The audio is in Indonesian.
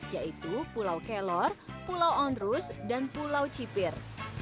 yaitu pulau kelor pulau ondrus dan pulau cipir